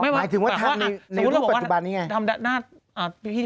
หมายถึงถ้างี้ในว่าปัจจุบันนี่ไง